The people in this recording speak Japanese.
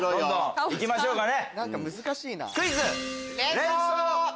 いきましょうかね。